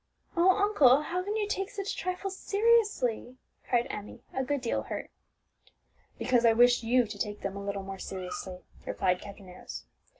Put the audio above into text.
"Oh, uncle, how can you take such trifles seriously!" cried Emmie, a good deal hurt. "Because I wish you to take them a little more seriously," replied Captain Arrows.